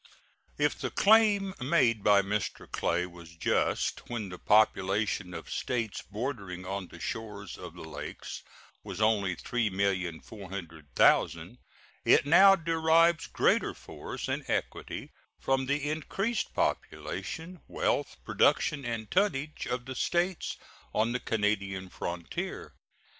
If the claim made by Mr. Clay was just when the population of States bordering on the shores of the Lakes was only 3,400,000, it now derives greater force and equity from the increased population, wealth, production, and tonnage of the States on the Canadian frontier.